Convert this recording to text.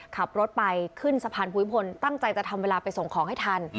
ขับรถไปขึ้นสะพานภูมิพลตั้งใจจะทำเวลาไปส่งของให้ทัน